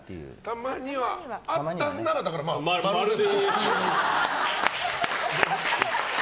たまにはあったんならだから○で。